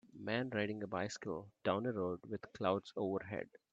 Man riding a bicycle down a road with clouds overhead.